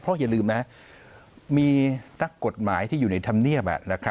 อย่าลืมนะมีนักกฎหมายที่อยู่ในธรรมเนียบ